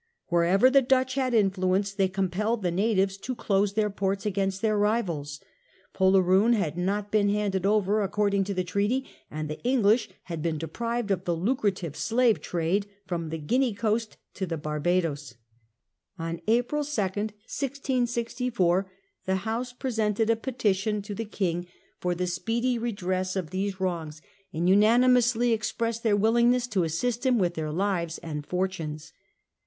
Wherever the Dutch had influence they compelled the natives to close their ports against their rivals. Poleroon had not been handed over according to the treaty, and the English had been de prived of the lucrative slave trade from the Guinea coast _... to the Barbadoes. On April 2, 1664. the House the House presented a petition to the King for the speedy of Commons. re d re ss of these wrongs, and unanimously ex pressed their willingness to assist him with their lives and fortunes.